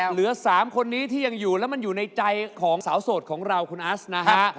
เหลือ๓คนนี้ที่ยังอยู่แล้วมันอยู่ในใจของสาวโสดของเราคุณอัสนะฮะ